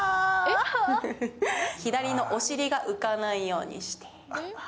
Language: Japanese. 左のお尻が浮かないようにして。